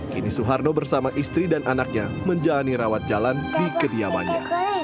kini suharno bersama istri dan anaknya menjalani rawat jalan di kediamannya